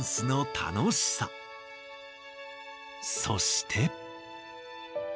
そして。